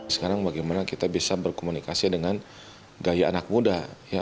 sekarang bagaimana kita bisa berkomunikasi dengan gaya anak muda